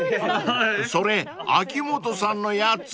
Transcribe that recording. ［それ秋元さんのやつ］